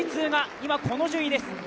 今この順位です。